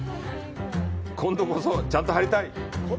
今度こそ、ちゃんと貼りたい！